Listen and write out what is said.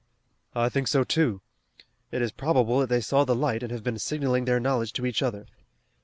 "I think so, too. It is probable that they saw the light and have been signalling their knowledge to each other.